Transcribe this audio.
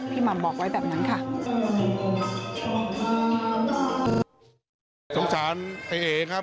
พี่หม่ามบอกไว้แบบนั้นค่ะ